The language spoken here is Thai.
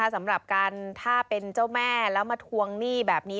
สำหรับการถ้าเป็นเจ้าแม่แล้วมาทวงหนี้แบบนี้